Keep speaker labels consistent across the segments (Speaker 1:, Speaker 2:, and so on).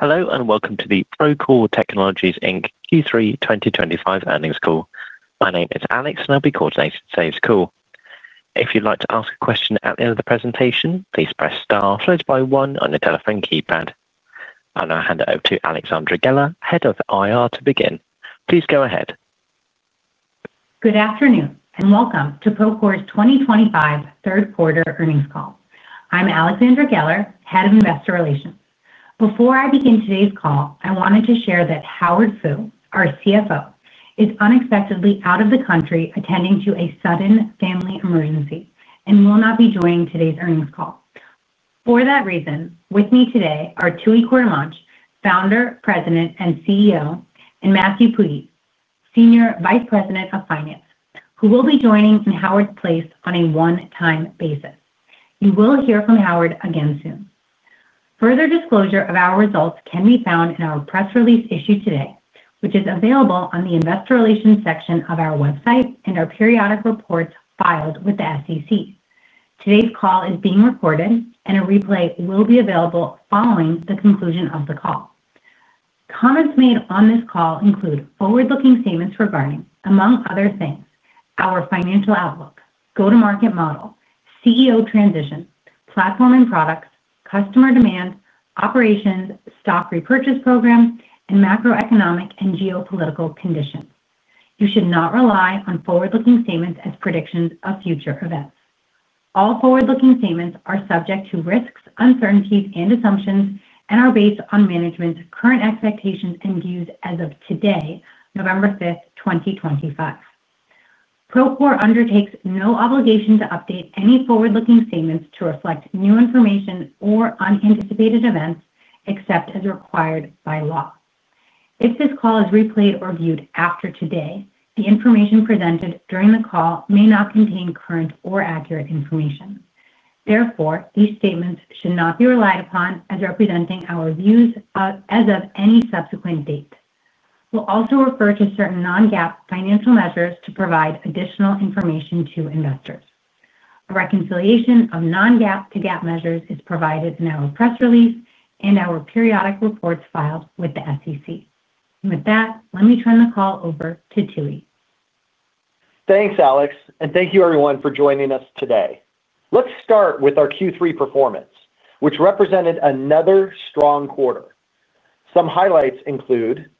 Speaker 1: Hello and welcome to the Procore Technologies Q3 2025 earnings call. My name is Alex, and I'll be coordinating today's call. If you'd like to ask a question at the end of the presentation, please press star followed by one on your telephone keypad. I'll now hand it over to Alexandra Geller, Head of IR, to begin. Please go ahead.
Speaker 2: Good afternoon and welcome to Procore's 2025 third quarter earnings call. I'm Alexandra Geller, Head of Investor Relations. Before I begin today's call, I wanted to share that Howard Fu, our CFO, is unexpectedly out of the country attending to a sudden family emergency and will not be joining today's earnings call. For that reason, with me today are Tooey Courtemanche, Founder, President, and CEO, and Matthew Puljiz, Senior Vice President of Finance, who will be joining in Howard's place on a one-time basis. You will hear from Howard again soon. Further disclosure of our results can be found in our press release issued today, which is available on the Investor Relations section of our website and our periodic reports filed with the SEC. Today's call is being recorded, and a replay will be available following the conclusion of the call. Comments made on this call include forward-looking statements regarding, among other things, our financial outlook, go-to-market model, CEO transition, platform and products, customer demand, operations, stock repurchase program, and macroeconomic and geopolitical conditions. You should not rely on forward-looking statements as predictions of future events. All forward-looking statements are subject to risks, uncertainties, and assumptions, and are based on management's current expectations and views as of today, November 5th, 2025. Procore undertakes no obligation to update any forward-looking statements to reflect new information or unanticipated events except as required by law. If this call is replayed or viewed after today, the information presented during the call may not contain current or accurate information. Therefore, these statements should not be relied upon as representing our views as of any subsequent date. We'll also refer to certain non-GAAP financial measures to provide additional information to investors. A reconciliation of non-GAAP to GAAP measures is provided in our press release and our periodic reports filed with the SEC. With that, let me turn the call over to Tooey.
Speaker 3: Thanks, Alex, and thank you, everyone, for joining us today. Let's start with our Q3 performance, which represented another strong quarter. Some highlights include.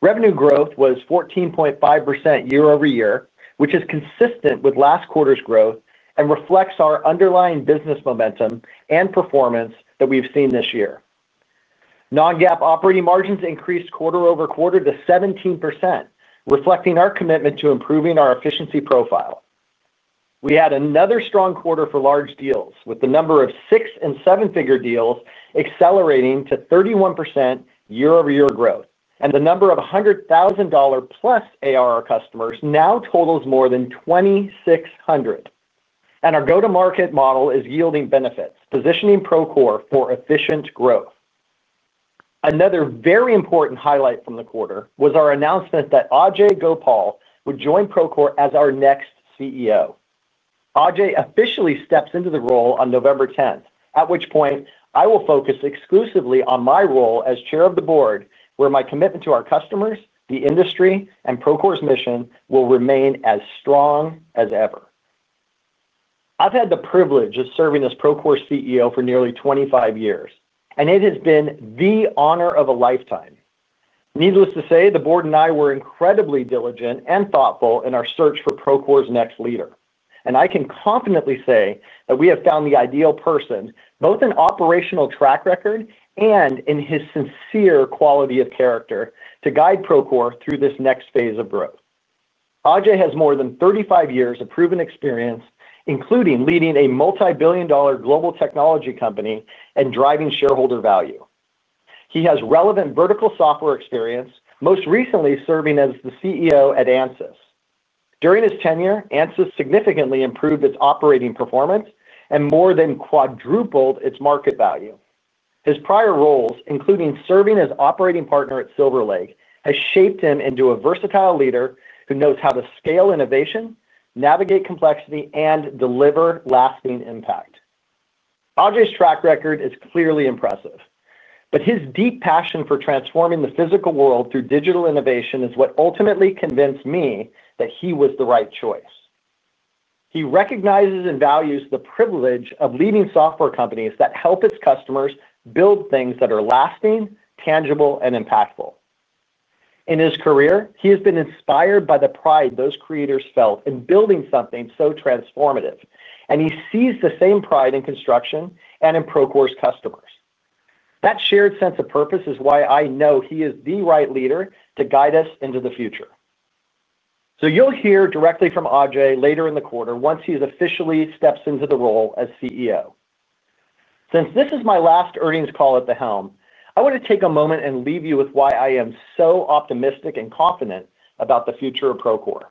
Speaker 3: Revenue growth was 14.5% year-over-year, which is consistent with last quarter's growth and reflects our underlying business momentum and performance that we've seen this year. Non-GAAP operating margins increased quarter-over-quarter to 17%, reflecting our commitment to improving our efficiency profile. We had another strong quarter for large deals, with the number of six and seven-figure deals accelerating to 31% year-over-year growth, and the number of $100,000 plus ARR customers now totals more than 2,600. Our go-to-market model is yielding benefits, positioning Procore for efficient growth. Another very important highlight from the quarter was our announcement that Ajay Gopal would join Procore as our next CEO. Ajay officially steps into the role on November 10th, at which point I will focus exclusively on my role as Chair of the Board, where my commitment to our customers, the industry, and Procore's mission will remain as strong as ever. I've had the privilege of serving as Procore's CEO for nearly 25 years, and it has been the honor of a lifetime. Needless to say, the Board and I were incredibly diligent and thoughtful in our search for Procore's next leader, and I can confidently say that we have found the ideal person, both in operational track record and in his sincere quality of character, to guide Procore through this next phase of growth. Ajay has more than 35 years of proven experience, including leading a multi-billion dollar global technology company and driving shareholder value. He has relevant vertical software experience, most recently serving as the CEO at Ansys. During his tenure, Ansys significantly improved its operating performance and more than quadrupled its market value. His prior roles, including serving as operating partner at Silver Lake, have shaped him into a versatile leader who knows how to scale innovation, navigate complexity, and deliver lasting impact. Ajay's track record is clearly impressive, but his deep passion for transforming the physical world through digital innovation is what ultimately convinced me that he was the right choice. He recognizes and values the privilege of leading software companies that help its customers build things that are lasting, tangible, and impactful. In his career, he has been inspired by the pride those creators felt in building something so transformative, and he sees the same pride in construction and in Procore's customers. That shared sense of purpose is why I know he is the right leader to guide us into the future. You'll hear directly from Ajay later in the quarter once he officially steps into the role as CEO. Since this is my last earnings call at the helm, I want to take a moment and leave you with why I am so optimistic and confident about the future of Procore.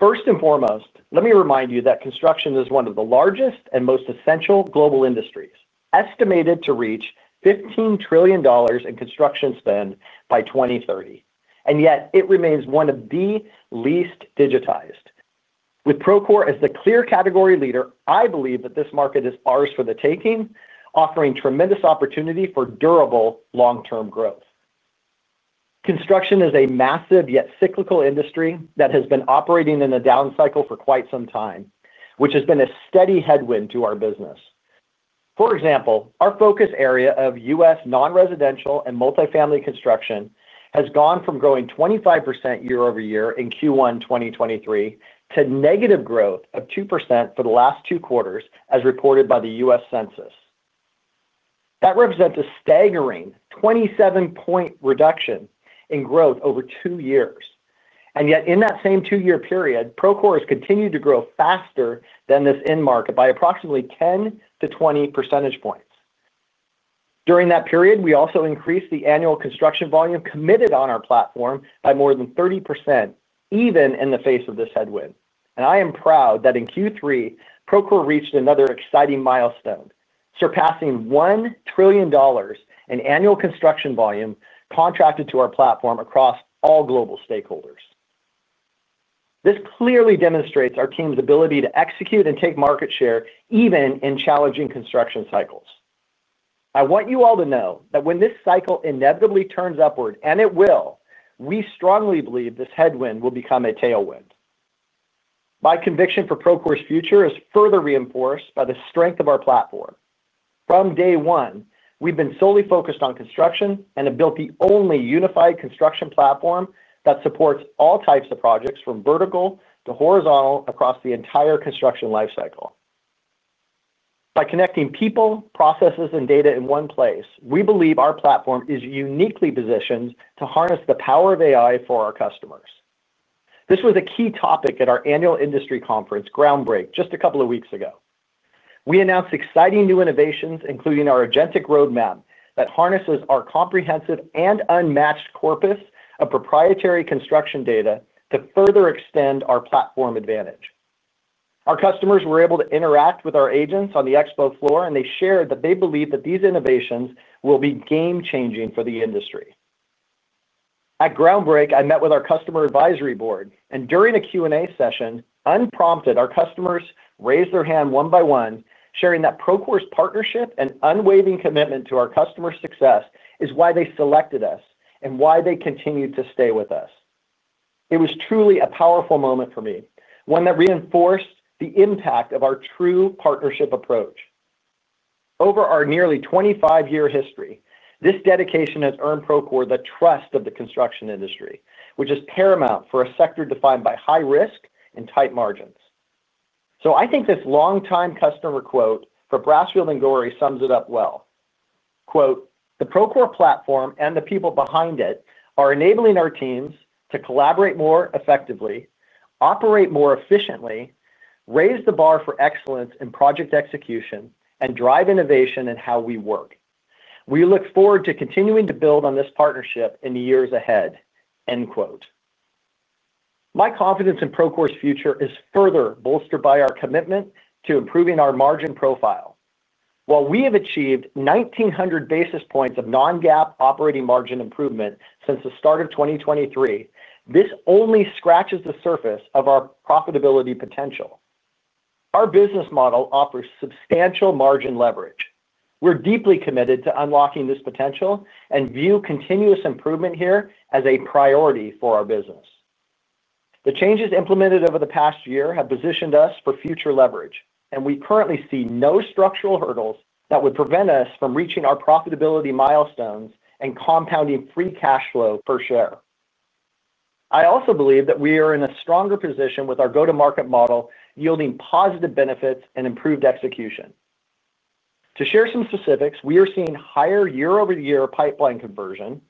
Speaker 3: First and foremost, let me remind you that construction is one of the largest and most essential global industries, estimated to reach $15 trillion in construction spend by 2030, and yet it remains one of the least digitized. With Procore as the clear category leader, I believe that this market is ours for the taking, offering tremendous opportunity for durable long-term growth. Construction is a massive yet cyclical industry that has been operating in a down cycle for quite some time, which has been a steady headwind to our business. For example, our focus area of U.S. Non-residential and multifamily construction has gone from growing 25% year-over-year in Q1 2023 to negative growth of 2% for the last two quarters, as reported by the U.S. Census. That represents a staggering 27-point reduction in growth over two years. Yet, in that same two-year period, Procore has continued to grow faster than this end market by approximately 10-20 percentage points. During that period, we also increased the annual construction volume committed on our platform by more than 30%, even in the face of this headwind. I am proud that in Q3, Procore reached another exciting milestone, surpassing $1 trillion in annual construction volume contracted to our platform across all global stakeholders. This clearly demonstrates our team's ability to execute and take market share even in challenging construction cycles. I want you all to know that when this cycle inevitably turns upward, and it will, we strongly believe this headwind will become a tailwind. My conviction for Procore's future is further reinforced by the strength of our platform. From day one, we've been solely focused on construction and have built the only unified construction platform that supports all types of projects from vertical to horizontal across the entire construction lifecycle. By connecting people, processes, and data in one place, we believe our platform is uniquely positioned to harness the power of AI for our customers. This was a key topic at our annual industry conference, Groundbreak, just a couple of weeks ago. We announced exciting new innovations, including our agentic roadmap that harnesses our comprehensive and unmatched corpus of proprietary construction data to further extend our platform advantage. Our customers were able to interact with our agents on the expo floor, and they shared that they believe that these innovations will be game-changing for the industry. At Groundbreak, I met with our Customer Advisory Board, and during a Q&A session, unprompted, our customers raised their hand one by one, sharing that Procore's partnership and unwavering commitment to our customer success is why they selected us and why they continue to stay with us. It was truly a powerful moment for me, one that reinforced the impact of our true partnership approach. Over our nearly 25-year history, this dedication has earned Procore the trust of the construction industry, which is paramount for a sector defined by high risk and tight margins. I think this long-time customer quote from Brassfield & Gorrie sums it up well. The Procore Platform and the people behind it are enabling our teams to collaborate more effectively, operate more efficiently, raise the bar for excellence in project execution, and drive innovation in how we work. We look forward to continuing to build on this partnership in the years ahead." My confidence in Procore's future is further bolstered by our commitment to improving our margin profile. While we have achieved 1,900 basis points of non-GAAP operating margin improvement since the start of 2023, this only scratches the surface of our profitability potential. Our business model offers substantial margin leverage. We're deeply committed to unlocking this potential and view continuous improvement here as a priority for our business. The changes implemented over the past year have positioned us for future leverage, and we currently see no structural hurdles that would prevent us from reaching our profitability milestones and compounding free cash flow per share. I also believe that we are in a stronger position with our go-to-market model yielding positive benefits and improved execution. To share some specifics, we are seeing higher year-over-year pipeline conversion,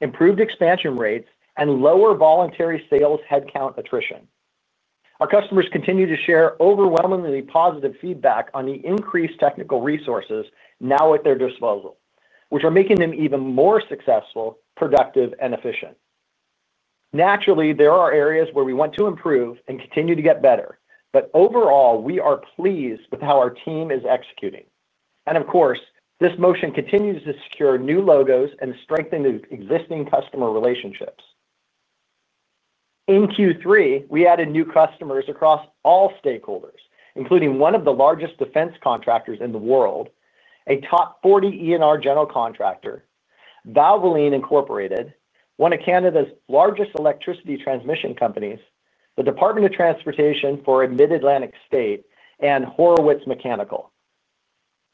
Speaker 3: improved expansion rates, and lower voluntary sales headcount attrition. Our customers continue to share overwhelmingly positive feedback on the increased technical resources now at their disposal, which are making them even more successful, productive, and efficient. Naturally, there are areas where we want to improve and continue to get better, but overall, we are pleased with how our team is executing. This motion continues to secure new logos and strengthen existing customer relationships. In Q3, we added new customers across all stakeholders, including one of the largest defense contractors in the world, a top 40 E&R general contractor, Valvoline, one of Canada's largest electricity transmission companies, the Department of Transportation for Mid-Atlantic State, and Horowitz Mechanical.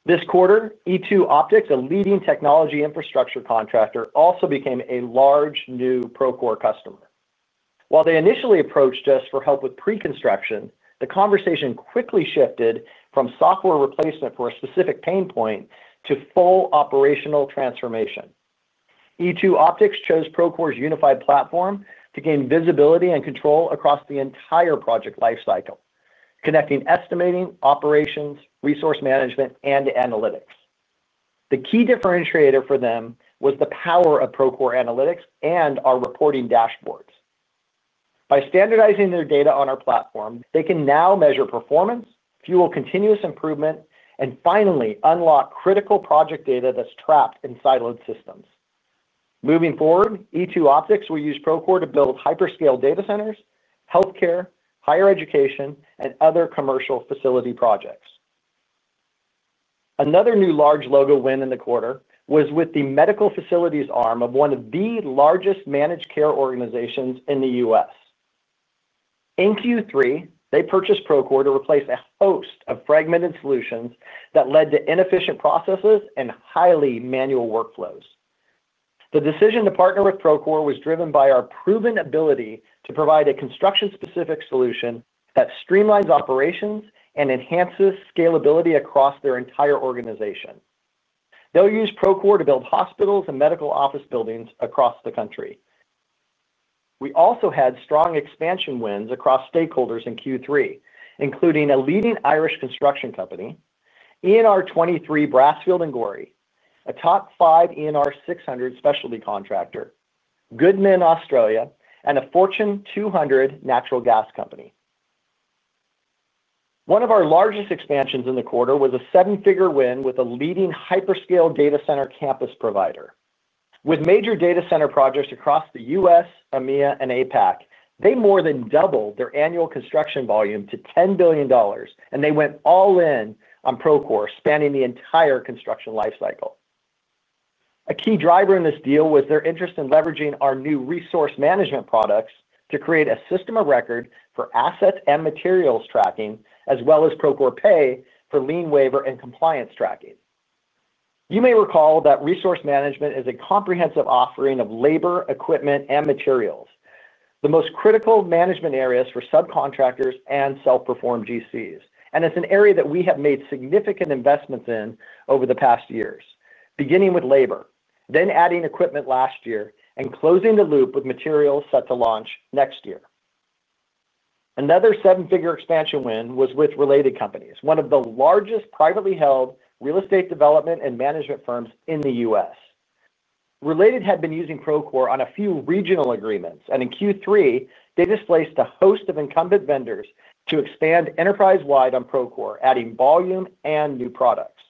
Speaker 3: This quarter, E2 Optics, a leading technology infrastructure contractor, also became a large new Procore customer. While they initially approached us for help with pre-construction, the conversation quickly shifted from software replacement for a specific pain point to full operational transformation. E2 Optics chose Procore's unified platform to gain visibility and control across the entire project lifecycle, connecting estimating, operations, resource management, and analytics. The key differentiator for them was the power of Procore Analytics and our reporting dashboards. By standardizing their data on our platform, they can now measure performance, fuel continuous improvement, and finally unlock critical project data that's trapped in siloed systems. Moving forward, E2 Optics will use Procore to build hyperscale data centers, healthcare, higher education, and other commercial facility projects. Another new large logo win in the quarter was with the medical facilities arm of one of the largest managed care organizations in the U.S. In Q3, they purchased Procore to replace a host of fragmented solutions that led to inefficient processes and highly manual workflows. The decision to partner with Procore was driven by our proven ability to provide a construction-specific solution that streamlines operations and enhances scalability across their entire organization. They'll use Procore to build hospitals and medical office buildings across the country. We also had strong expansion wins across stakeholders in Q3, including a leading Irish construction company, E&R 23, Brassfield & Gorrie, a top five E&R 600 specialty contractor, Goodman Australia, and a Fortune 200 natural gas company. One of our largest expansions in the quarter was a seven-figure win with a leading hyperscale data center campus provider. With major data center projects across the U.S., EMEA, and APAC, they more than doubled their annual construction volume to $10 billion, and they went all in on Procore spanning the entire construction lifecycle. A key driver in this deal was their interest in leveraging our new Resource Management products to create a system of record for assets and materials tracking, as well as Procore Pay for lien waiver and compliance tracking. You may recall that resource management is a comprehensive offering of labor, equipment, and materials, the most critical management areas for subcontractors and self-performed GCs, and it's an area that we have made significant investments in over the past years, beginning with labor, then adding equipment last year, and closing the loop with materials set to launch next year. Another seven-figure expansion win was with Related Companies, one of the largest privately held real estate development and management firms in the U.S. Related had been using Procore on a few regional agreements, and in Q3, they displaced a host of incumbent vendors to expand enterprise-wide on Procore, adding volume and new products.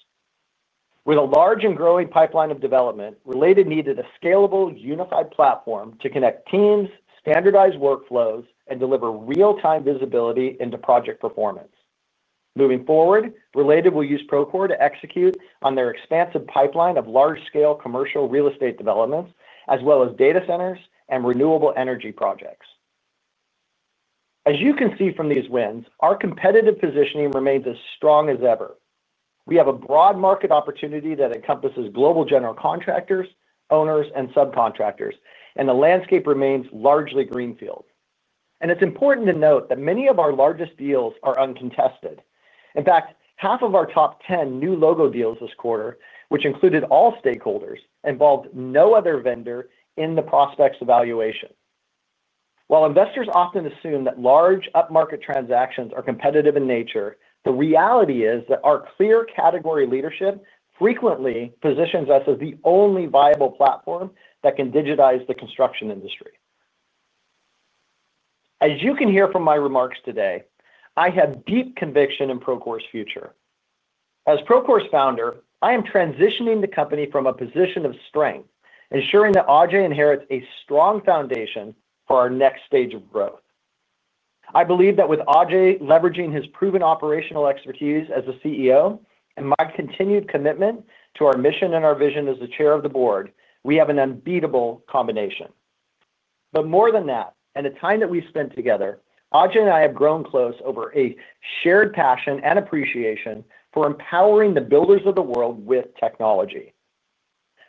Speaker 3: With a large and growing pipeline of development, Related needed a scalable, unified platform to connect teams, standardize workflows, and deliver real-time visibility into project performance. Moving forward, Related will use Procore to execute on their expansive pipeline of large-scale commercial real estate developments, as well as data centers and renewable energy projects. As you can see from these wins, our competitive positioning remains as strong as ever. We have a broad market opportunity that encompasses global general contractors, owners, and subcontractors, and the landscape remains largely greenfield. It is important to note that many of our largest deals are uncontested. In fact, half of our top 10 new logo deals this quarter, which included all stakeholders, involved no other vendor in the prospects evaluation. While investors often assume that large up-market transactions are competitive in nature, the reality is that our clear category leadership frequently positions us as the only viable platform that can digitize the construction industry. As you can hear from my remarks today, I have deep conviction in Procore's future. As Procore's founder, I am transitioning the company from a position of strength, ensuring that Ajay inherits a strong foundation for our next stage of growth. I believe that with Ajay leveraging his proven operational expertise as a CEO and my continued commitment to our mission and our vision as the chair of the board, we have an unbeatable combination. More than that, in the time that we've spent together, Ajay and I have grown close over a shared passion and appreciation for empowering the builders of the world with technology.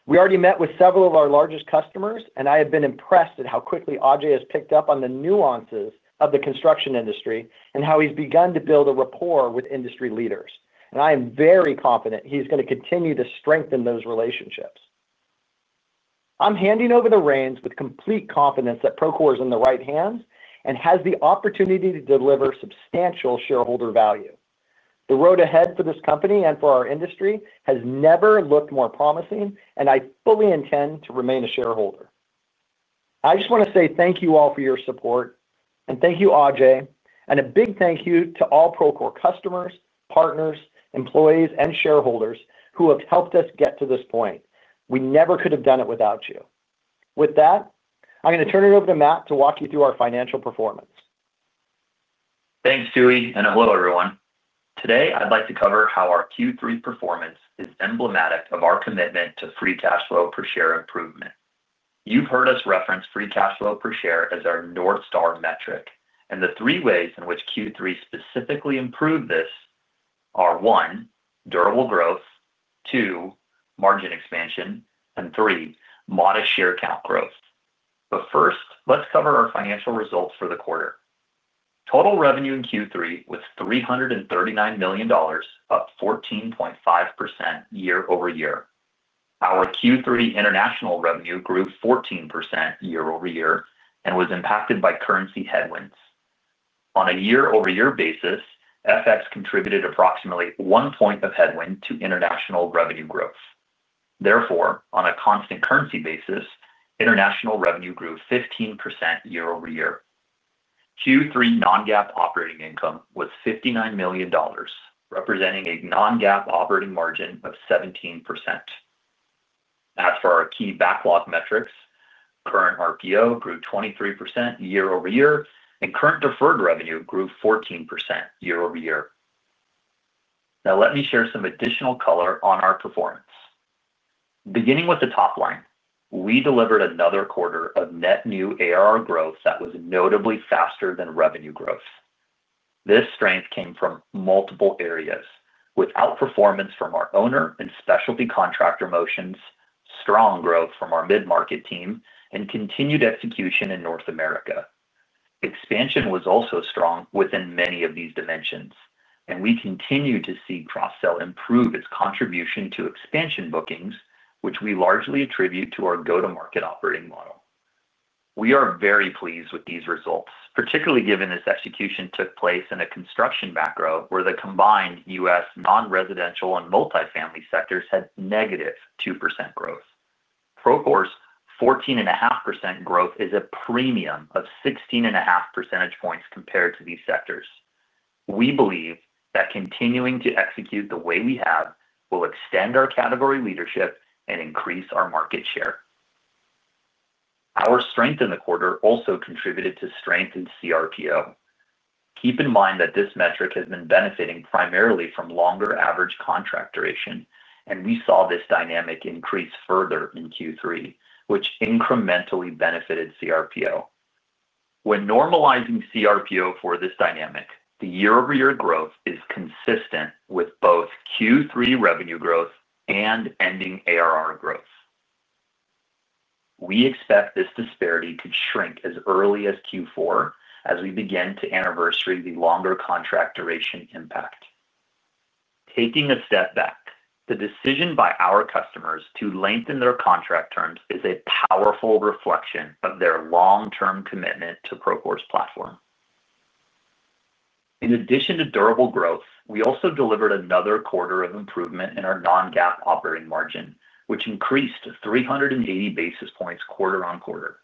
Speaker 3: We already met with several of our largest customers, and I have been impressed at how quickly Ajay has picked up on the nuances of the construction industry and how he's begun to build a rapport with industry leaders. I am very confident he's going to continue to strengthen those relationships. I'm handing over the reins with complete confidence that Procore is in the right hands and has the opportunity to deliver substantial shareholder value. The road ahead for this company and for our industry has never looked more promising, and I fully intend to remain a shareholder. I just want to say thank you all for your support, and thank you, Ajay, and a big thank you to all Procore customers, partners, employees, and shareholders who have helped us get to this point. We never could have done it without you. With that, I'm going to turn it over to Matt to walk you through our financial performance.
Speaker 4: Thanks, Tooey, and hello, everyone. Today, I'd like to cover how our Q3 performance is emblematic of our commitment to free cash flow per share improvement. You've heard us reference free cash flow per share as our North Star metric, and the three ways in which Q3 specifically improved this are one, durable growth; two, margin expansion; and three, modest share count growth. First, let's cover our financial results for the quarter. Total revenue in Q3 was $339 million, up 14.5% year-over-year. Our Q3 international revenue grew 14% year-over-year and was impacted by currency headwinds. On a year-over-year basis, FX contributed approximately one point of headwind to international revenue growth. Therefore, on a constant currency basis, international revenue grew 15% year-over-year. Q3 non-GAAP operating income was $59 million, representing a non-GAAP operating margin of 17%. As for our key backlog metrics, current RPO grew 23% year-over-year, and current deferred revenue grew 14% year-over-year. Now, let me share some additional color on our performance. Beginning with the top line, we delivered another quarter of net new ARR growth that was notably faster than revenue growth. This strength came from multiple areas, with outperformance from our owner and specialty contractor motions, strong growth from our mid-market team, and continued execution in North America. Expansion was also strong within many of these dimensions, and we continue to see CrossSell improve its contribution to expansion bookings, which we largely attribute to our go-to-market operating model. We are very pleased with these results, particularly given this execution took place in a construction macro where the combined U.S. non-residential and multifamily sectors had negative 2% growth. Procore's 14.5% growth is a premium of 16.5 percentage points compared to these sectors. We believe that continuing to execute the way we have will extend our category leadership and increase our market share. Our strength in the quarter also contributed to strength in CRPO. Keep in mind that this metric has been benefiting primarily from longer average contract duration, and we saw this dynamic increase further in Q3, which incrementally benefited CRPO. When normalizing CRPO for this dynamic, the year-over-year growth is consistent with both Q3 revenue growth and ending ARR growth. We expect this disparity to shrink as early as Q4 as we begin to anniversary the longer contract duration impact. Taking a step back, the decision by our customers to lengthen their contract terms is a powerful reflection of their long-term commitment to Procore's platform. In addition to durable growth, we also delivered another quarter of improvement in our non-GAAP operating margin, which increased 380 basis points quarter on quarter.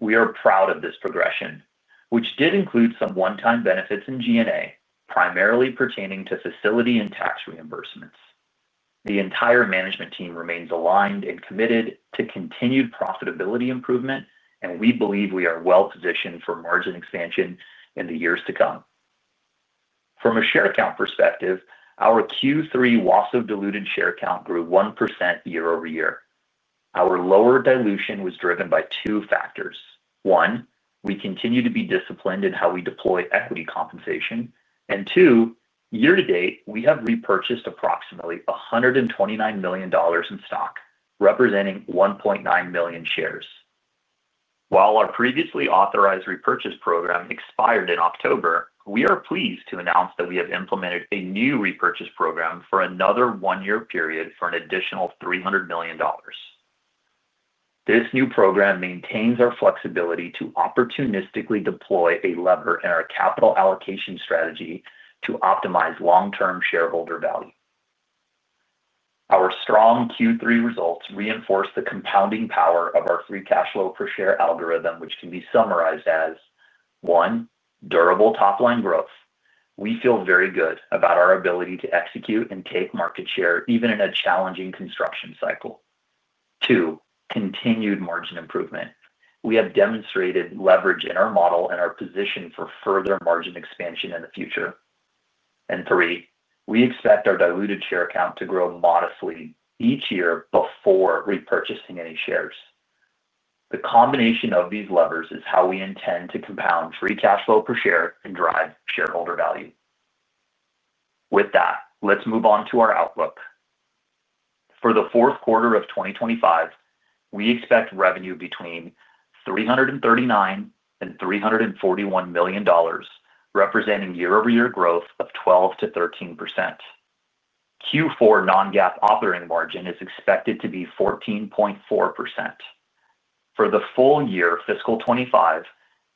Speaker 4: We are proud of this progression, which did include some one-time benefits in G&A, primarily pertaining to facility and tax reimbursements. The entire management team remains aligned and committed to continued profitability improvement, and we believe we are well positioned for margin expansion in the years to come. From a share count perspective, our Q3 loss of diluted share count grew 1% year-over-year. Our lower dilution was driven by two factors. One, we continue to be disciplined in how we deploy equity compensation. And two, year to date, we have repurchased approximately $129 million in stock, representing 1.9 million shares. While our previously authorized repurchase program expired in October, we are pleased to announce that we have implemented a new repurchase program for another one-year period for an additional $300 million. This new program maintains our flexibility to opportunistically deploy a lever in our capital allocation strategy to optimize long-term shareholder value. Our strong Q3 results reinforce the compounding power of our free cash flow per share algorithm, which can be summarized as: one, durable top-line growth. We feel very good about our ability to execute and take market share even in a challenging construction cycle. Two, continued margin improvement. We have demonstrated leverage in our model and are positioned for further margin expansion in the future. Three, we expect our diluted share count to grow modestly each year before repurchasing any shares. The combination of these levers is how we intend to compound free cash flow per share and drive shareholder value. With that, let's move on to our outlook. For the fourth quarter of 2025, we expect revenue between $339 million and $341 million, representing year-over-year growth of 12%-13%. Q4 non-GAAP operating margin is expected to be 14.4%. For the full year fiscal 2025,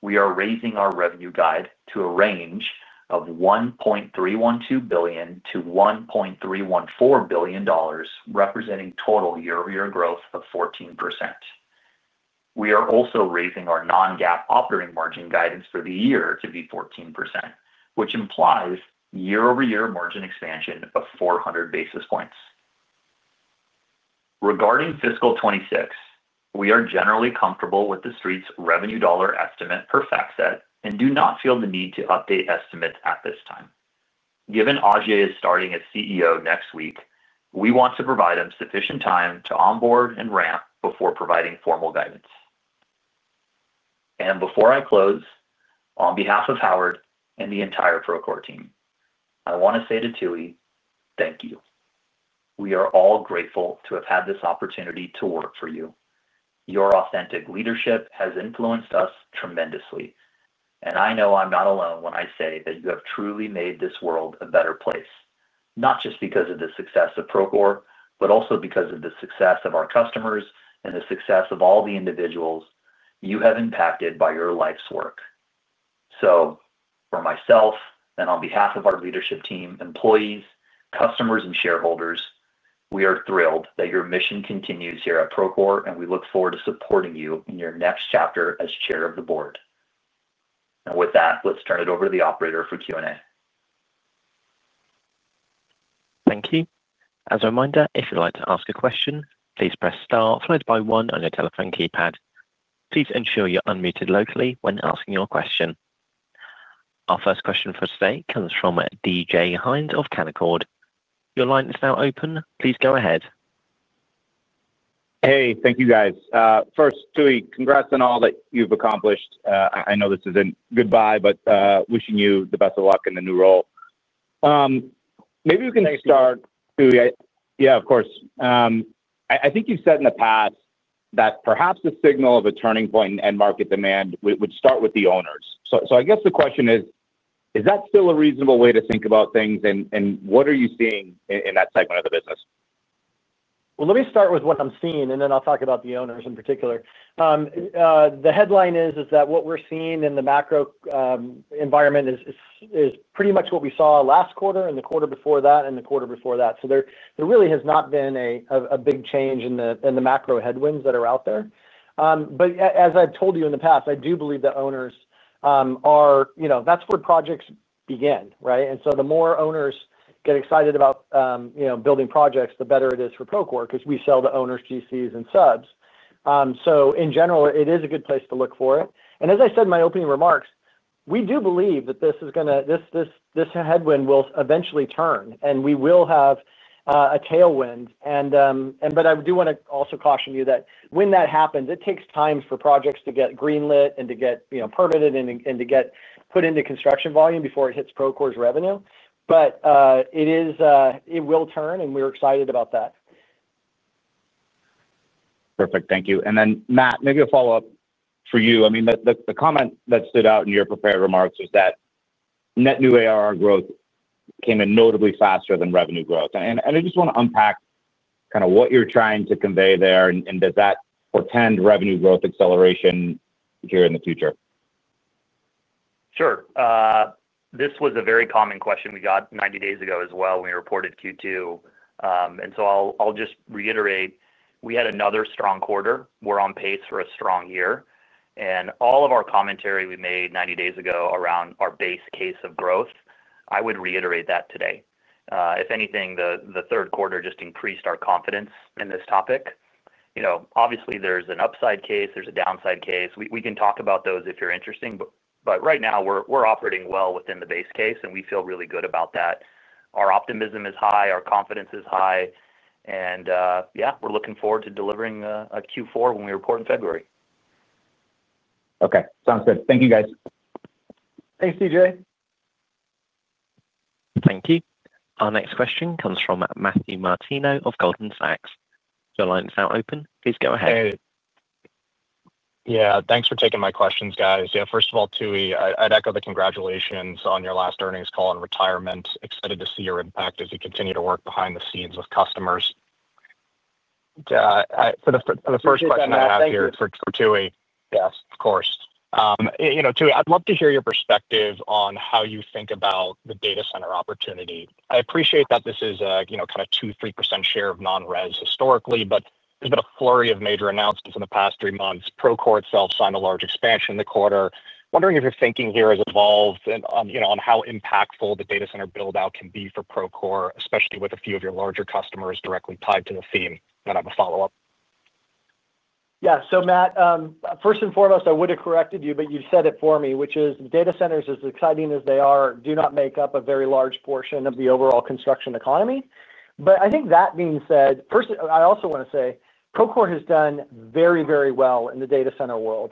Speaker 4: we are raising our revenue guide to a range of $1.312 billion-$1.314 billion, representing total year-over-year growth of 14%. We are also raising our non-GAAP operating margin guidance for the year to be 14%, which implies year-over-year margin expansion of 400 basis points. Regarding fiscal 2026, we are generally comfortable with the Street's revenue dollar estimate per FactSet and do not feel the need to update estimates at this time. Given Ajay is starting as CEO next week, we want to provide him sufficient time to onboard and ramp before providing formal guidance. Before I close, on behalf of Howard and the entire Procore team, I want to say to Tooey, thank you. We are all grateful to have had this opportunity to work for you. Your authentic leadership has influenced us tremendously, and I know I'm not alone when I say that you have truly made this world a better place, not just because of the success of Procore, but also because of the success of our customers and the success of all the individuals you have impacted by your life's work. For myself and on behalf of our leadership team, employees, customers, and shareholders, we are thrilled that your mission continues here at Procore, and we look forward to supporting you in your next chapter as Chair of the Board. With that, let's turn it over to the operator for Q&A.
Speaker 1: Thank you. As a reminder, if you'd like to ask a question, please press star followed by one on your telephone keypad. Please ensure you're unmuted locally when asking your question. Our first question for today comes from DJ Hynes of Canaccord. Your line is now open. Please go ahead.
Speaker 5: Hey, thank you, guys. First, Tooey, congrats on all that you've accomplished. I know this isn't goodbye, but wishing you the best of luck in the new role. Maybe we can start. Tooey.
Speaker 3: Yeah, of course.
Speaker 5: I think you've said in the past that perhaps the signal of a turning point in end market demand would start with the owners. I guess the question is, is that still a reasonable way to think about things, and what are you seeing in that segment of the business?
Speaker 3: Let me start with what I'm seeing, and then I'll talk about the owners in particular. The headline is that what we're seeing in the macro environment is pretty much what we saw last quarter, and the quarter before that, and the quarter before that. There really has not been a big change in the macro headwinds that are out there. As I've told you in the past, I do believe that owners are, that's where projects begin, right? The more owners get excited about building projects, the better it is for Procore because we sell to owners, GCs, and subs. In general, it is a good place to look for it. As I said in my opening remarks, we do believe that this is going to, this headwind will eventually turn, and we will have a tailwind. I do want to also caution you that when that happens, it takes time for projects to get greenlit and to get permitted and to get put into construction volume before it hits Procore's revenue. It will turn, and we're excited about that.
Speaker 5: Perfect. Thank you. Then, Matt, maybe a follow-up for you. I mean, the comment that stood out in your prepared remarks was that net new ARR growth came in notably faster than revenue growth. I just want to unpack kind of what you're trying to convey there, and does that portend revenue growth acceleration here in the future?
Speaker 4: Sure. This was a very common question we got 90 days ago as well when we reported Q2. I'll just reiterate, we had another strong quarter. We're on pace for a strong year. All of our commentary we made 90 days ago around our base case of growth, I would reiterate that today. If anything, the third quarter just increased our confidence in this topic. Obviously, there is an upside case. There is a downside case. We can talk about those if you are interesting. Right now, we are operating well within the base case, and we feel really good about that. Our optimism is high. Our confidence is high. Yeah, we are looking forward to delivering a Q4 when we report in February.
Speaker 5: Okay. Sounds good. Thank you, guys.
Speaker 3: Thanks, DJ.
Speaker 1: Thank you. Our next question comes from Matthew Martino of Goldman Sachs. Your line is now open. Please go ahead.
Speaker 6: Hey. Yeah. Thanks for taking my questions, guys. Yeah. First of all, Tooey, I would echo the congratulations on your last earnings call on retirement. Excited to see your impact as you continue to work behind the scenes with customers. For the first question I have here for Tooey. Yes, of course. Tooey, I'd love to hear your perspective on how you think about the data center opportunity. I appreciate that this is kind of 2%-3% share of non-RES historically, but there's been a flurry of major announcements in the past three months. Procore itself signed a large expansion in the quarter. Wondering if your thinking here has evolved on how impactful the data center buildout can be for Procore, especially with a few of your larger customers directly tied to the theme. I'm going to have a follow-up.
Speaker 3: Yeah. Matt, first and foremost, I would have corrected you, but you said it for me, which is data centers, as exciting as they are, do not make up a very large portion of the overall construction economy. I think that being said, I also want to say Procore has done very, very well in the data center world.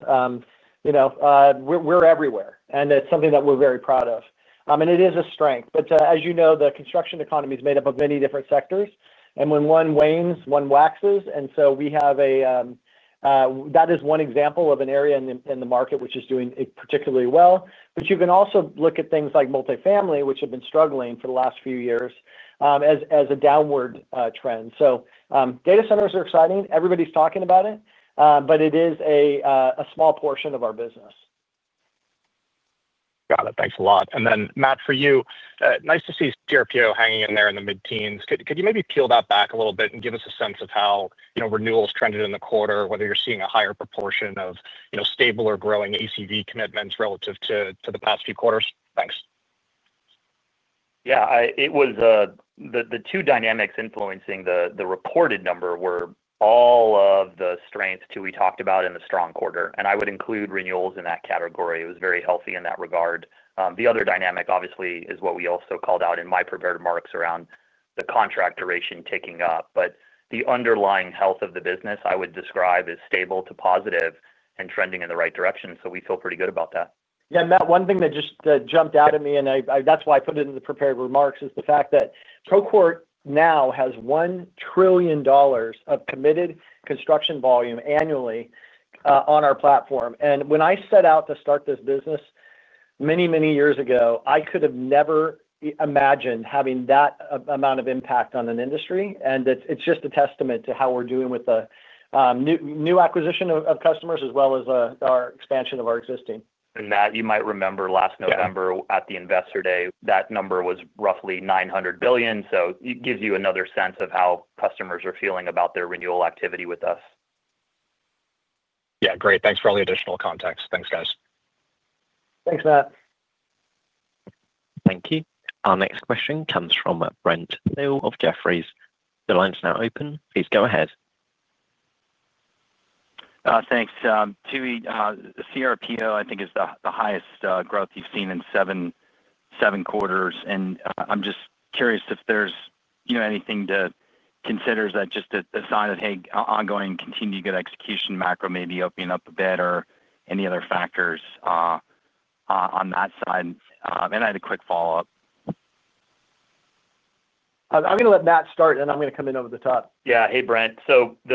Speaker 3: We're everywhere, and it's something that we're very proud of. It is a strength. As you know, the construction economy is made up of many different sectors. When one wanes, one waxes. We have a. That is one example of an area in the market which is doing particularly well. You can also look at things like multifamily, which have been struggling for the last few years as a downward trend. Data centers are exciting. Everybody's talking about it, but it is a small portion of our business.
Speaker 6: Got it. Thanks a lot. Matt, for you, nice to see CRPO hanging in there in the mid-teens. Could you maybe peel that back a little bit and give us a sense of how renewals trended in the quarter, whether you're seeing a higher proportion of stable or growing ACV commitments relative to the past few quarters? Thanks.
Speaker 4: Yeah. The two dynamics influencing the reported number were all of the strengths Tooey talked about in the strong quarter. I would include renewals in that category. It was very healthy in that regard. The other dynamic, obviously, is what we also called out in my prepared remarks around the contract duration ticking up. The underlying health of the business, I would describe as stable to positive and trending in the right direction. We feel pretty good about that.
Speaker 3: Yeah. Matt, one thing that just jumped out at me, and that's why I put it in the prepared remarks, is the fact that Procore now has $1 trillion of committed construction volume annually on our platform. When I set out to start this business many, many years ago, I could have never imagined having that amount of impact on an industry. It's just a testament to how we're doing with the new acquisition of customers as well as our expansion of our existing.
Speaker 4: Matt, you might remember last November at the investor day, that number was roughly $900 billion. It gives you another sense of how customers are feeling about their renewal activity with us.
Speaker 6: Yeah. Great. Thanks for all the additional context. Thanks, guys.
Speaker 3: Thanks, Matt.
Speaker 1: Thank you. Our next question comes from Brent Thill of Jefferies. The line is now open. Please go ahead.
Speaker 7: Thanks. Tooey, CRPO, I think, is the highest growth you've seen in seven quarters. I'm just curious if there's anything to consider as just a sign of, hey, ongoing continued good execution, macro maybe opening up a bit, or any other factors on that side. I had a quick follow-up.
Speaker 3: I'm going to let Matt start, and then I'm going to come in over the top.
Speaker 4: Yeah. Hey, Brent. The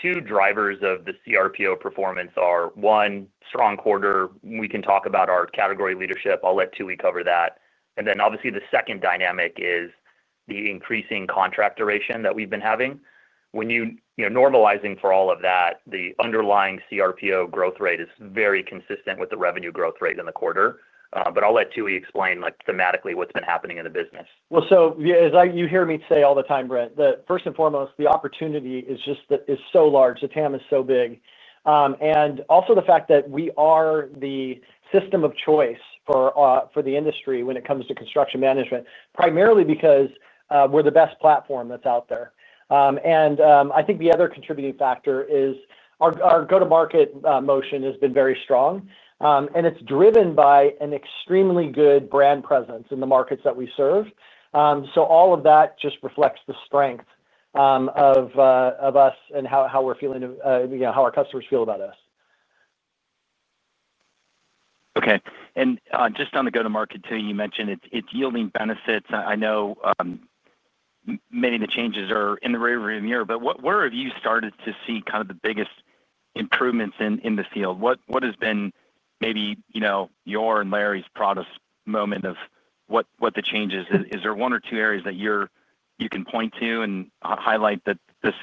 Speaker 4: two drivers of the CRPO performance are, one, strong quarter. We can talk about our category leadership. I'll let Tooey cover that. Obviously, the second dynamic is the increasing contract duration that we've been having. When you're normalizing for all of that, the underlying CRPO growth rate is very consistent with the revenue growth rate in the quarter. I'll let Tooey explain thematically what's been happening in the business.
Speaker 3: As you hear me say all the time, Brent, first and foremost, the opportunity is so large. The TAM is so big. Also, the fact that we are the system of choice for the industry when it comes to construction management, primarily because we're the best platform that's out there. I think the other contributing factor is our go-to-market motion has been very strong. It's driven by an extremely good brand presence in the markets that we serve. All of that just reflects the strength of us and how we're feeling, how our customers feel about us.
Speaker 7: Okay. Just on the go-to-market, Tooey, you mentioned it's yielding benefits. I know many of the changes are in the rearview mirror. Where have you started to see kind of the biggest improvements in the field? What has been maybe your and Larry's proudest moment of what the change is? Is there one or two areas that you can point to and highlight that this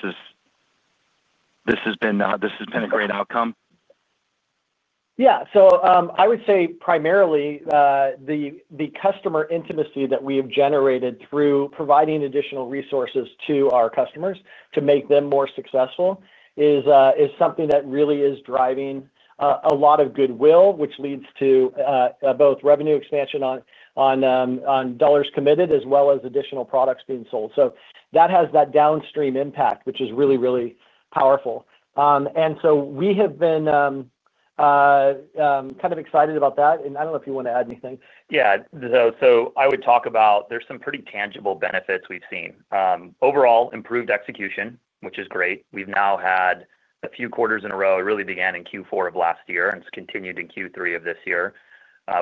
Speaker 7: has been a great outcome?
Speaker 3: Yeah. I would say primarily the customer intimacy that we have generated through providing additional resources to our customers to make them more successful is something that really is driving a lot of goodwill, which leads to both revenue expansion on dollars committed as well as additional products being sold. That has that downstream impact, which is really, really powerful. We have been kind of excited about that. I do not know if you want to add anything.
Speaker 4: Yeah. I would talk about there are some pretty tangible benefits we have seen. Overall, improved execution, which is great. We've now had a few quarters in a row. It really began in Q4 of last year and has continued in Q3 of this year.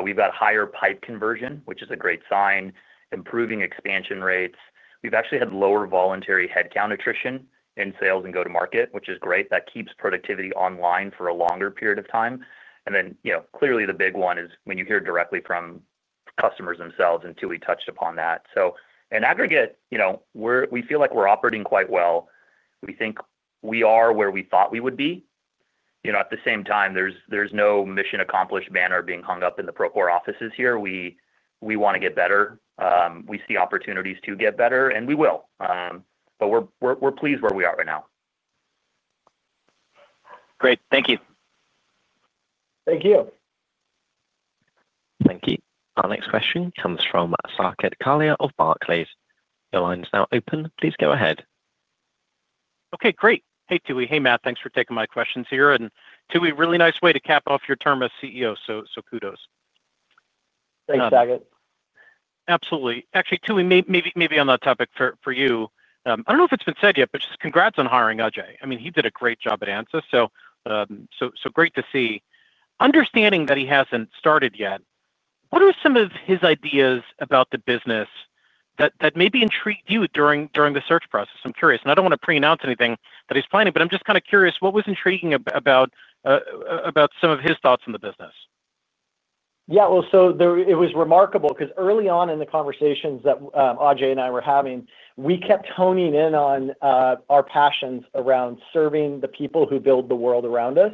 Speaker 4: We've got higher pipe conversion, which is a great sign, improving expansion rates. We've actually had lower voluntary headcount attrition in sales and go-to-market, which is great. That keeps productivity online for a longer period of time. Clearly, the big one is when you hear directly from customers themselves, and Tooey touched upon that. In aggregate, we feel like we're operating quite well. We think we are where we thought we would be. At the same time, there's no mission accomplished banner being hung up in the Procore offices here. We want to get better. We see opportunities to get better, and we will. We're pleased where we are right now.
Speaker 7: Great. Thank you.
Speaker 3: Thank you.
Speaker 1: Thank you. Our next question comes from Saket Kalia of Barclays. The line is now open. Please go ahead.
Speaker 8: Okay. Great. Hey, Tooey. Hey, Matt. Thanks for taking my questions here. And Tooey, really nice way to cap off your term as CEO. So kudos.
Speaker 3: Thanks, Saket.
Speaker 8: Absolutely. Actually, Tooey, maybe on that topic for you. I do not know if it has been said yet, but just congrats on hiring Ajay. I mean, he did a great job at Ansys. So. Great to see. Understanding that he has not started yet, what are some of his ideas about the business that maybe intrigued you during the search process? I am curious. I do not want to pre-announce anything that he is planning, but I am just kind of curious. What was intriguing about some of his thoughts on the business?
Speaker 3: Yeah. It was remarkable because early on in the conversations that Ajay and I were having, we kept honing in on our passions around serving the people who build the world around us.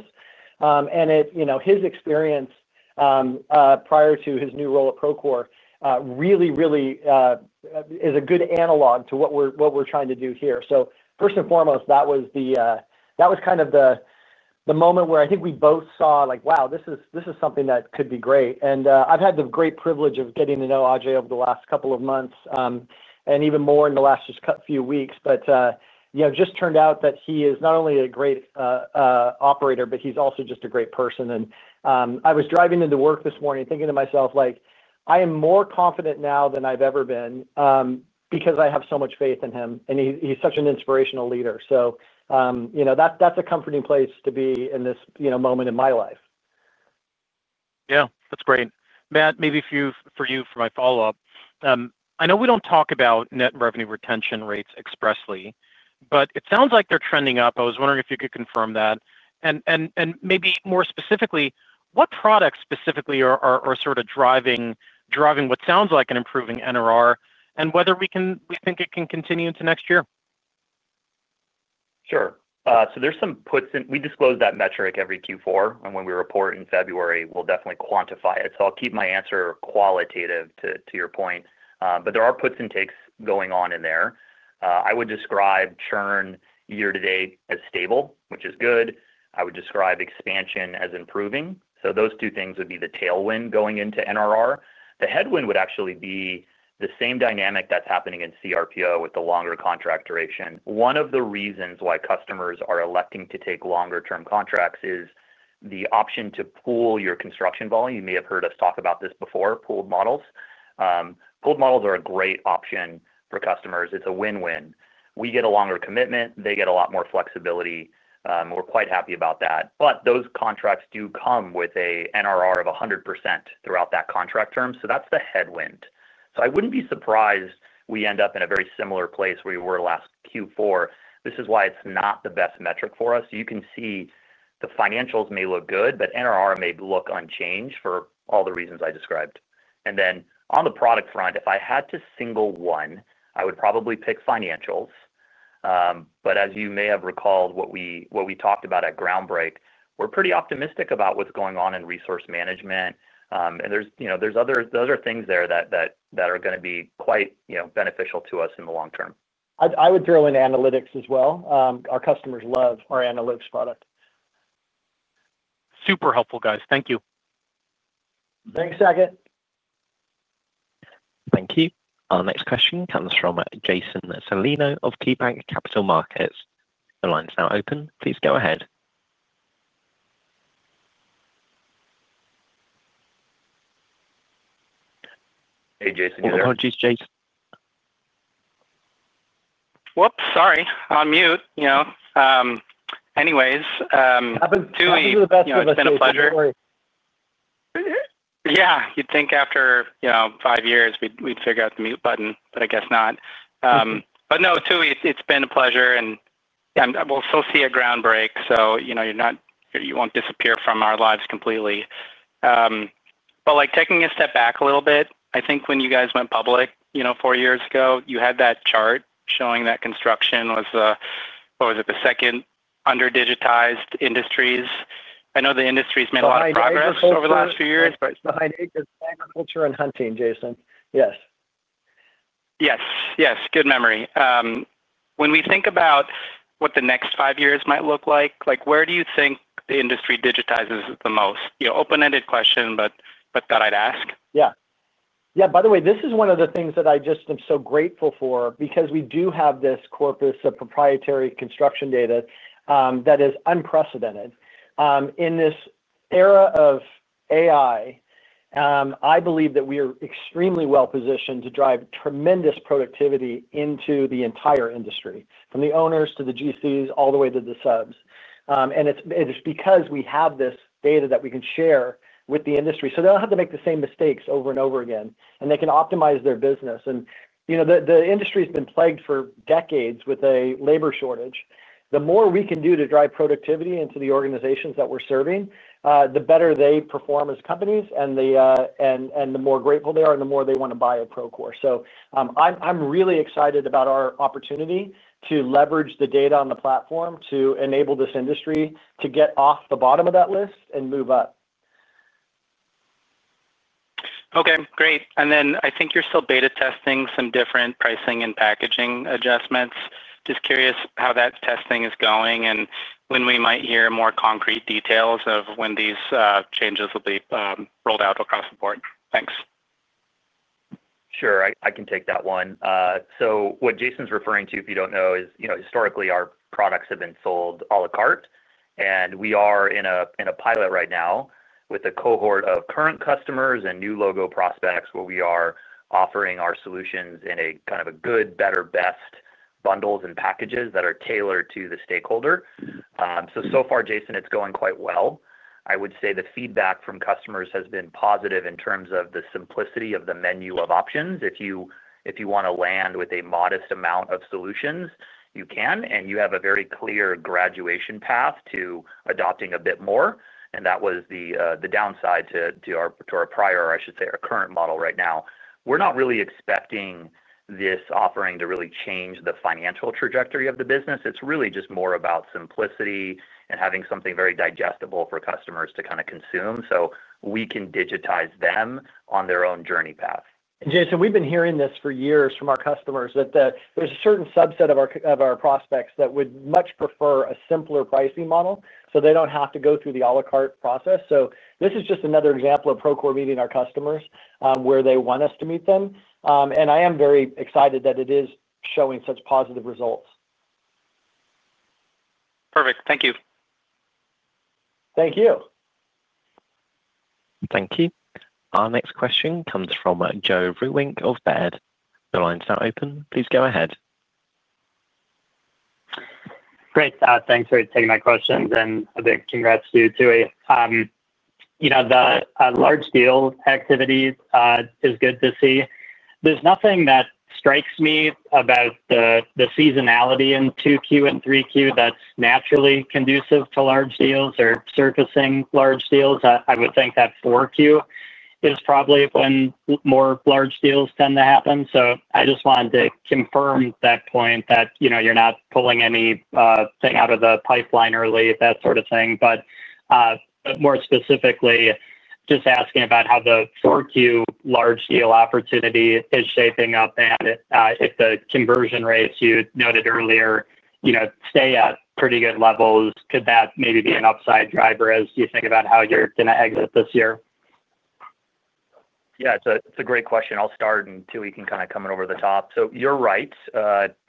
Speaker 3: His experience prior to his new role at Procore really is a good analog to what we're trying to do here. First and foremost, that was kind of the moment where I think we both saw like, "Wow, this is something that could be great." I've had the great privilege of getting to know Ajay over the last couple of months and even more in the last few weeks. It just turned out that he is not only a great operator, but he's also just a great person. I was driving into work this morning thinking to myself, "I am more confident now than I've ever been because I have so much faith in him. And he's such an inspirational leader." That's a comforting place to be in this moment in my life.
Speaker 8: Yeah. That's great. Matt, maybe for you, for my follow-up. I know we don't talk about net revenue retention rates expressly, but it sounds like they're trending up. I was wondering if you could confirm that. And maybe more specifically, what products specifically are sort of driving what sounds like an improving NRR and whether we think it can continue into next year?
Speaker 4: Sure. There's some puts in. We disclose that metric every Q4. When we report in February, we'll definitely quantify it. I'll keep my answer qualitative to your point. There are puts and takes going on in there. I would describe churn year to date as stable, which is good. I would describe expansion as improving. Those two things would be the tailwind going into NRR. The headwind would actually be the same dynamic that's happening in CRPO with the longer contract duration. One of the reasons why customers are electing to take longer-term contracts is the option to pool your construction volume. You may have heard us talk about this before, pooled models. Pooled models are a great option for customers. It's a win-win. We get a longer commitment. They get a lot more flexibility. We're quite happy about that. Those contracts do come with an NRR of 100% throughout that contract term. That's the headwind. I wouldn't be surprised we end up in a very similar place where we were last Q4. This is why it's not the best metric for us. You can see the financials may look good, but NRR may look unchanged for all the reasons I described. On the product front, if I had to single one, I would probably pick financials. As you may have recalled what we talked about at Groundbreak, we're pretty optimistic about what's going on in Resource Management. Those are things there that are going to be quite beneficial to us in the long term.
Speaker 3: I would throw in analytics as well. Our customers love our analytics product.
Speaker 8: Super helpful, guys. Thank you.
Speaker 3: Thanks, Saket.
Speaker 1: Thank you. Our next question comes from Jason Celino of KeyBanc Capital Markets. The line is now open. Please go ahead. Hey, Jason. You there. Apologies. Jason.
Speaker 9: Whoops. Sorry. On mute. Anyways. Tooey. It's been a pleasure. Yeah. You'd think after. Five years, we'd figure out the mute button, but I guess not. No, Tooey, it's been a pleasure. We'll still see you at Groundbreak, so you won't disappear from our lives completely. Taking a step back a little bit, I think when you guys went public four years ago, you had that chart showing that construction was, what was it, the second under-digitized industry. I know the industry's made a lot of progress over the last few years.
Speaker 3: It's behind ages, agriculture, and hunting, Jason.
Speaker 9: Yes. Yes. Yes. Good memory. When we think about what the next five years might look like, where do you think the industry digitizes the most? Open-ended question, but thought I'd ask.
Speaker 3: Yeah. Yeah. By the way, this is one of the things that I just am so grateful for because we do have this corpus of proprietary construction data that is unprecedented. In this era of AI, I believe that we are extremely well-positioned to drive tremendous productivity into the entire industry, from the owners to the GCs all the way to the subs. It is because we have this data that we can share with the industry. They do not have to make the same mistakes over and over again. They can optimize their business. The industry has been plagued for decades with a labor shortage. The more we can do to drive productivity into the organizations that we are serving, the better they perform as companies. The more grateful they are, the more they want to buy Procore. I am really excited about our opportunity to leverage the data on the platform to enable this industry to get off the bottom of that list and move up.
Speaker 9: Okay. Great. I think you're still beta testing some different pricing and packaging adjustments. Just curious how that testing is going and when we might hear more concrete details of when these changes will be rolled out across the board. Thanks.
Speaker 4: Sure. I can take that one. What Jason's referring to, if you don't know, is historically, our products have been sold à la carte. We are in a pilot right now with a cohort of current customers and new logo prospects where we are offering our solutions in kind of a good, better, best bundles and packages that are tailored to the stakeholder. So far, Jason, it's going quite well. I would say the feedback from customers has been positive in terms of the simplicity of the menu of options. If you want to land with a modest amount of solutions, you can. You have a very clear graduation path to adopting a bit more. That was the downside to our prior, I should say, our current model right now. We're not really expecting this offering to really change the financial trajectory of the business. It's really just more about simplicity and having something very digestible for customers to kind of consume so we can digitize them on their own journey path.
Speaker 3: Jason, we've been hearing this for years from our customers that there's a certain subset of our prospects that would much prefer a simpler pricing model so they don't have to go through the à la carte process. This is just another example of Procore meeting our customers where they want us to meet them. I am very excited that it is showing such positive results.
Speaker 9: Perfect. Thank you.
Speaker 3: Thank you.
Speaker 1: Thank you. Our next question comes from Joe Vruwink of Baird. The line is now open. Please go ahead.
Speaker 10: Great. Thanks for taking my questions. And a big congrats to you, Tooey. The large-scale activities is good to see. There's nothing that strikes me about the seasonality in 2Q and 3Q that's naturally conducive to large deals or surfacing large deals. I would think that 4Q is probably when more large deals tend to happen. I just wanted to confirm that point that you're not pulling anything out of the pipeline early, that sort of thing. More specifically, just asking about how the 4Q large-scale opportunity is shaping up and if the conversion rates you noted earlier stay at pretty good levels, could that maybe be an upside driver as you think about how you're going to exit this year?
Speaker 4: Yeah. It's a great question. I'll start, and Tooey can kind of come in over the top. You're right.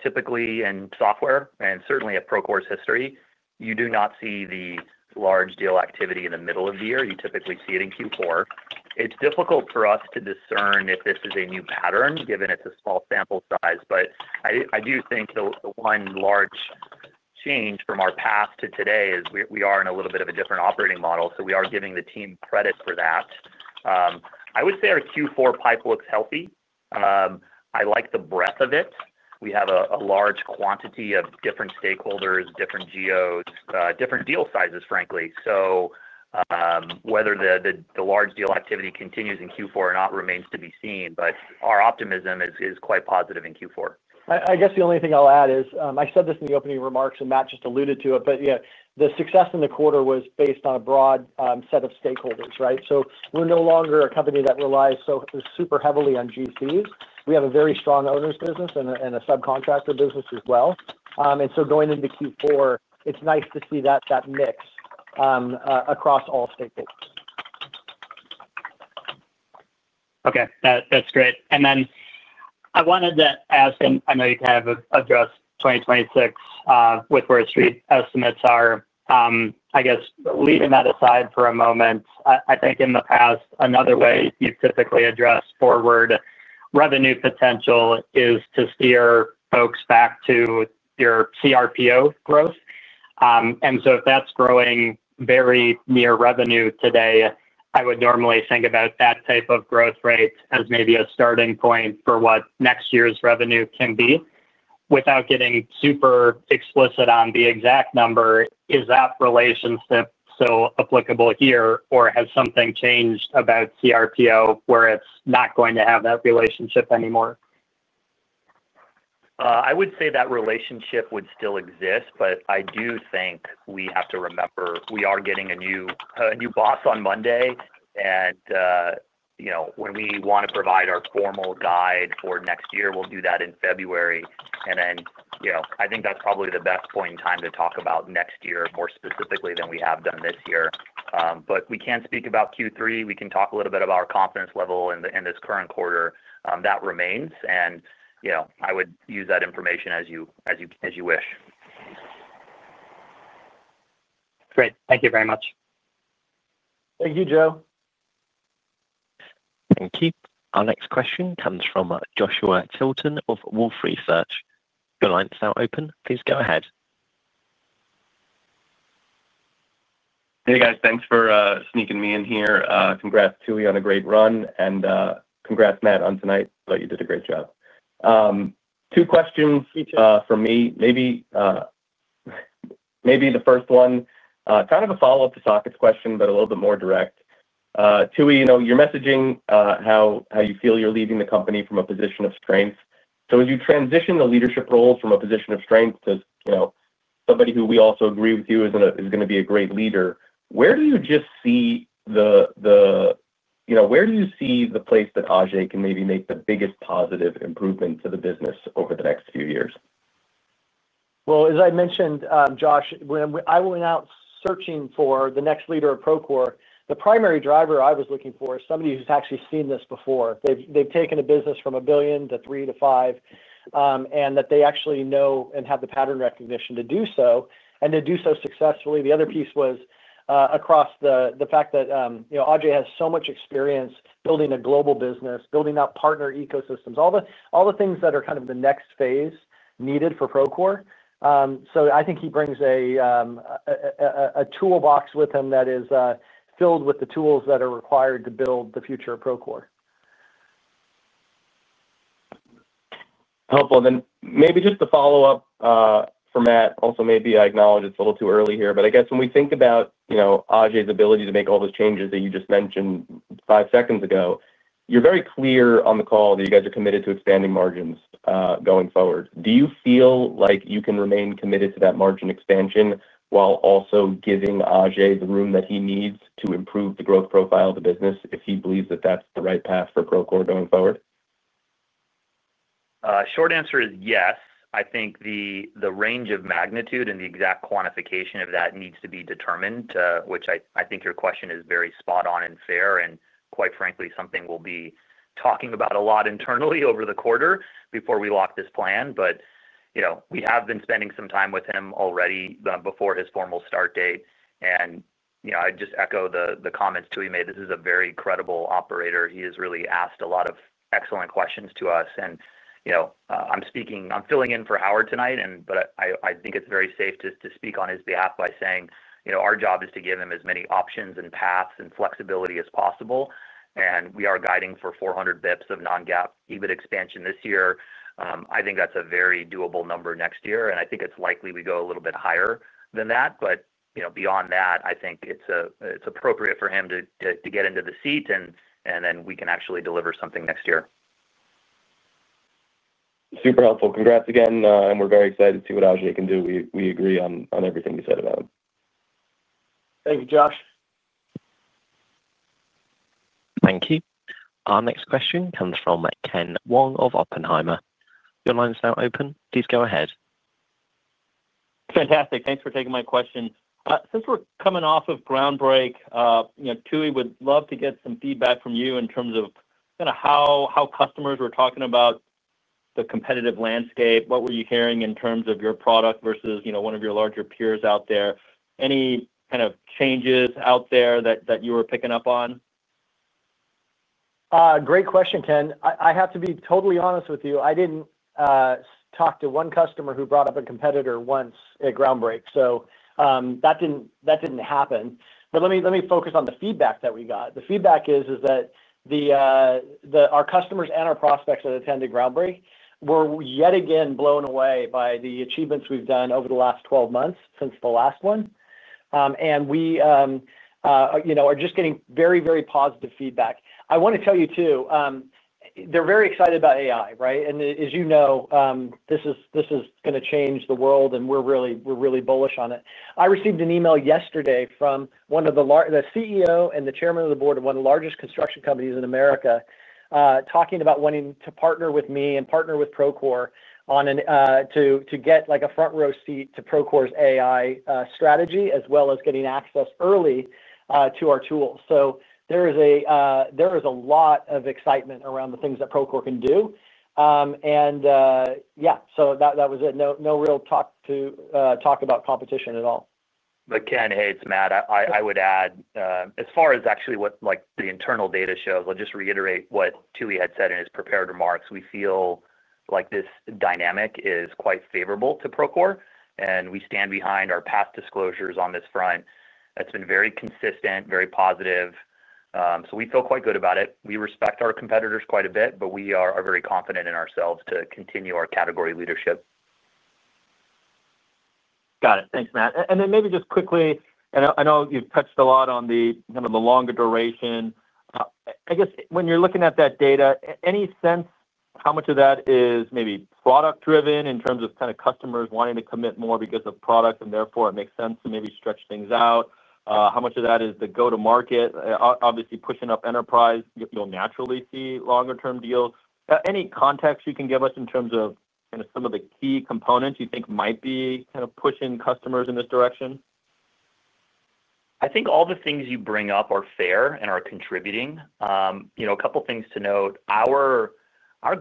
Speaker 4: Typically, in software and certainly at Procore's history, you do not see the large-scale activity in the middle of the year. You typically see it in Q4. It's difficult for us to discern if this is a new pattern given it's a small sample size. I do think the one large change from our past to today is we are in a little bit of a different operating model. We are giving the team credit for that. I would say our Q4 pipe looks healthy. I like the breadth of it. We have a large quantity of different stakeholders, different GOs, different deal sizes, frankly. Whether the large-scale activity continues in Q4 or not remains to be seen. Our optimism is quite positive in Q4.
Speaker 3: I guess the only thing I'll add is I said this in the opening remarks, and Matt just alluded to it, but the success in the quarter was based on a broad set of stakeholders, right? We're no longer a company that relies so super heavily on GCs. We have a very strong owners' business and a subcontractor business as well. Going into Q4, it's nice to see that mix across all stakeholders.
Speaker 10: Okay. That's great. I wanted to ask, and I know you kind of addressed 2026 with where street estimates are, I guess, leaving that aside for a moment, I think in the past, another way you've typically addressed forward revenue potential is to steer folks back to your CRPO growth. If that's growing very near revenue today, I would normally think about that type of growth rate as maybe a starting point for what next year's revenue can be. Without getting super explicit on the exact number, is that relationship still applicable here, or has something changed about CRPO where it's not going to have that relationship anymore?
Speaker 4: I would say that relationship would still exist, but I do think we have to remember we are getting a new boss on Monday. When we want to provide our formal guide for next year, we'll do that in February. I think that's probably the best point in time to talk about next year more specifically than we have done this year. We can speak about Q3. We can talk a little bit about our confidence level in this current quarter. That remains. I would use that information as you wish.
Speaker 10: Great. Thank you very much.
Speaker 3: Thank you, Joe.
Speaker 1: Thank you. Our next question comes from Joshua Tilton of Wolfe Research. The line is now open. Please go ahead.
Speaker 11: Hey, guys. Thanks for sneaking me in here. Congrats, Tooey, on a great run. And congrats, Matt, on tonight. You did a great job. Two questions for me. Maybe. The first one, kind of a follow-up to Saket's question, but a little bit more direct. Tooey, you're messaging how you feel you're leaving the company from a position of strength. As you transition the leadership role from a position of strength to somebody who we also agree with you is going to be a great leader, where do you just see the Where do you see the place that Ajay can maybe make the biggest positive improvement to the business over the next few years?
Speaker 3: As I mentioned, Josh, when I went out searching for the next leader of Procore, the primary driver I was looking for is somebody who's actually seen this before. They've taken a business from a billion to three to five. They actually know and have the pattern recognition to do so. They do so successfully. The other piece was across the fact that Ajay has so much experience building a global business, building out partner ecosystems, all the things that are kind of the next phase needed for Procore. I think he brings a toolbox with him that is filled with the tools that are required to build the future of Procore.
Speaker 11: Helpful. And then maybe just the follow-up. For Matt. Also, maybe I acknowledge it's a little too early here, but I guess when we think about Ajay's ability to make all those changes that you just mentioned five seconds ago, you're very clear on the call that you guys are committed to expanding margins going forward. Do you feel like you can remain committed to that margin expansion while also giving Ajay the room that he needs to improve the growth profile of the business if he believes that that's the right path for Procore going forward?
Speaker 4: Short answer is yes. I think the range of magnitude and the exact quantification of that needs to be determined, which I think your question is very spot-on and fair. Quite frankly, something we'll be talking about a lot internally over the quarter before we lock this plan. We have been spending some time with him already before his formal start date. I just echo the comments Tooey made. This is a very credible operator. He has really asked a lot of excellent questions to us. I'm filling in for Howard tonight, but I think it's very safe to speak on his behalf by saying our job is to give him as many options and paths and flexibility as possible. We are guiding for 400 basis points of non-GAAP EBIT expansion this year. I think that's a very doable number next year. I think it's likely we go a little bit higher than that. Beyond that, I think it's appropriate for him to get into the seat, and then we can actually deliver something next year.
Speaker 11: Super helpful. Congrats again. We're very excited to see what Ajay can do. We agree on everything you said about him.
Speaker 3: Thank you, Josh.
Speaker 1: Thank you. Our next question comes from Ken Wong of Oppenheimer. Your line is now open. Please go ahead.
Speaker 12: Fantastic. Thanks for taking my question. Since we're coming off of Groundbreak, Tooey would love to get some feedback from you in terms of kind of how customers were talking about the competitive landscape. What were you hearing in terms of your product versus one of your larger peers out there? Any kind of changes out there that you were picking up on?
Speaker 3: Great question, Ken. I have to be totally honest with you. I did not talk to one customer who brought up a competitor once at Groundbreak. That did not happen. Let me focus on the feedback that we got. The feedback is that. Our customers and our prospects that attended Groundbreak were yet again blown away by the achievements we have done over the last 12 months since the last one. We are just getting very, very positive feedback. I want to tell you too, they are very excited about AI, right? As you know, this is going to change the world, and we are really bullish on it. I received an email yesterday from one of the CEO and the Chairman of the Board of one of the largest construction companies in America, talking about wanting to partner with me and partner with Procore to get a front-row seat to Procore's AI strategy as well as getting access early to our tools. There is a lot of excitement around the things that Procore can do. Yeah, that was it. No real talk about competition at all.
Speaker 4: Ken, hey, it's Matt. I would add, as far as actually what the internal data shows, I'll just reiterate what Tooey had said in his prepared remarks. We feel like this dynamic is quite favorable to Procore. We stand behind our past disclosures on this front. It's been very consistent, very positive. We feel quite good about it. We respect our competitors quite a bit, but we are very confident in ourselves to continue our category leadership.
Speaker 12: Got it. Thanks, Matt. Maybe just quickly, and I know you've touched a lot on the kind of the longer duration. I guess when you're looking at that data, any sense how much of that is maybe product-driven in terms of kind of customers wanting to commit more because of product and therefore it makes sense to maybe stretch things out? How much of that is the go-to-market? Obviously, pushing up enterprise, you'll naturally see longer-term deals. Any context you can give us in terms of kind of some of the key components you think might be kind of pushing customers in this direction?
Speaker 4: I think all the things you bring up are fair and are contributing. A couple of things to note. Our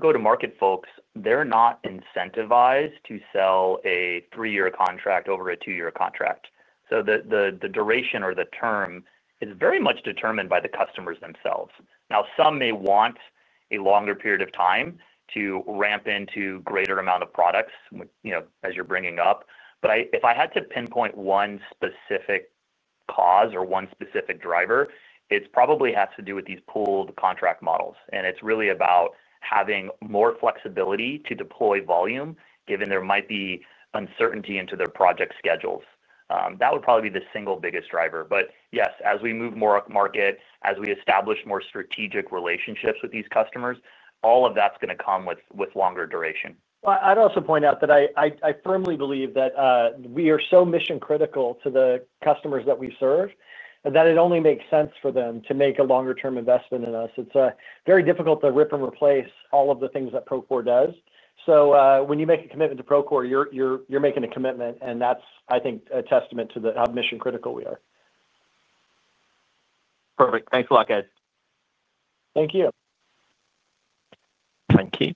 Speaker 4: go-to-market folks, they're not incentivized to sell a three-year contract over a two-year contract. So the duration or the term is very much determined by the customers themselves. Now, some may want a longer period of time to ramp into a greater amount of products as you're bringing up. If I had to pinpoint one specific cause or one specific driver, it probably has to do with these pooled contract models. It is really about having more flexibility to deploy volume given there might be uncertainty into their project schedules. That would probably be the single biggest driver. Yes, as we move more up market, as we establish more strategic relationships with these customers, all of that is going to come with longer duration.
Speaker 3: I'd also point out that I firmly believe that we are so mission-critical to the customers that we serve that it only makes sense for them to make a longer-term investment in us. It's very difficult to rip and replace all of the things that Procore does. When you make a commitment to Procore, you're making a commitment. I think that's a testament to how mission-critical we are.
Speaker 12: Perfect. Thanks a lot, guys.
Speaker 3: Thank you.
Speaker 1: Thank you.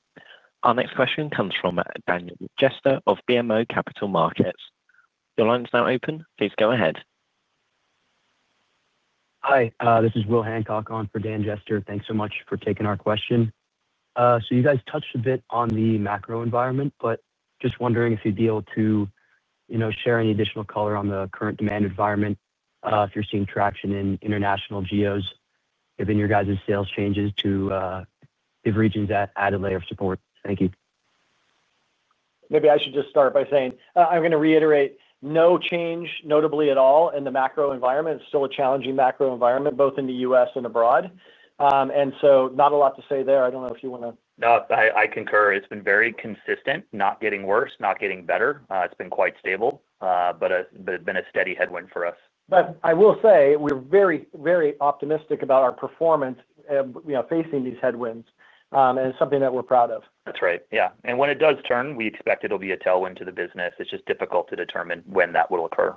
Speaker 1: Our next question comes from Daniel Jester of BMO Capital Markets. Your line is now open. Please go ahead.
Speaker 13: Hi. This is Will Hancock on for Dan Jester. Thanks so much for taking our question. You guys touched a bit on the macro environment, but just wondering if you'd be able to share any additional color on the current demand environment, if you're seeing traction in international GOs, given your guys' sales changes to the regions that add a layer of support. Thank you.
Speaker 3: Maybe I should just start by saying I'm going to reiterate no change notably at all in the macro environment. It's still a challenging macro environment, both in the U.S. and abroad. Not a lot to say there. I don't know if you want to.
Speaker 4: No, I concur. It's been very consistent, not getting worse, not getting better. It's been quite stable, but it's been a steady headwind for us.
Speaker 3: I will say we're very, very optimistic about our performance facing these headwinds, and it's something that we're proud of.
Speaker 4: That's right. Yeah. When it does turn, we expect it'll be a tailwind to the business. It's just difficult to determine when that will occur.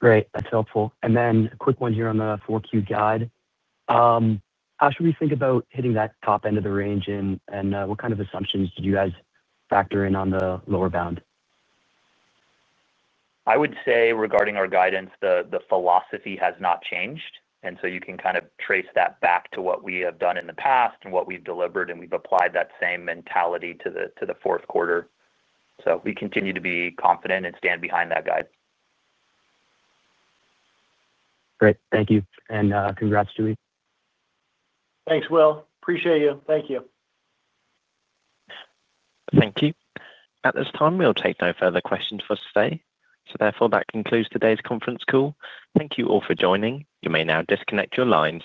Speaker 13: Great. That's helpful. A quick one here on the 4Q guide. How should we think about hitting that top end of the range? What kind of assumptions did you guys factor in on the lower bound?
Speaker 4: I would say regarding our guidance, the philosophy has not changed. You can kind of trace that back to what we have done in the past and what we've delivered. We've applied that same mentality to the fourth quarter. We continue to be confident and stand behind that guide.
Speaker 13: Great. Thank you. Congrats, Tooey.
Speaker 3: Thanks, Will. Appreciate you. Thank you.
Speaker 1: Thank you. At this time, we'll take no further questions for today. Therefore, that concludes today's conference call.
Speaker 3: Thank you all for joining. You may now disconnect your lines.